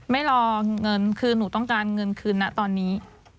ไม่รอเงินคือหนูต้องการเงินคืนนะตอนนี้